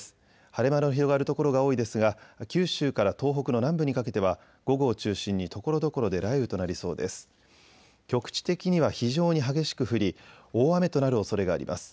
晴れ間の広がる所が多いですが九州から東北の南部にかけては午後を中心にところどころで雷雨となりそうです。